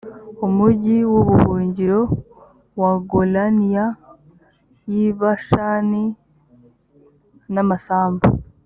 umugi w ubuhungiro wa golania y i bashani n amasambu